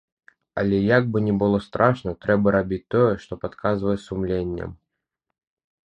Але, як бы ні было страшна, трэба рабіць тое, што падказвае сумленне.